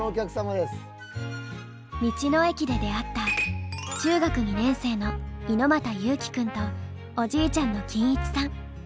道の駅で出会った中学２年生の猪股祐希君とおじいちゃんの金一さん。